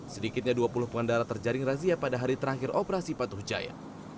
sedikitnya dua puluh pengendara terjaring razia pada hari terakhir operasi patuh jaya